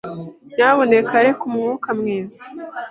Nyamuneka reka umwuka mwiza.